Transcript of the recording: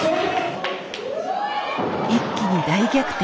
一気に大逆転。